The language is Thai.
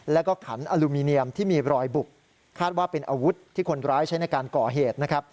แล้วก็ขันอลูมิเนียมที่มีรอยบุกคาดว่าเป็นอาวุธที่คนร้ายใช้ในการก่อเหตุนะครับ